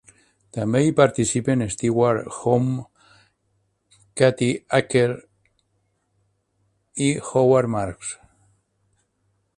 També hi participen Stewart Home, Kathy Acker i Howard Marks.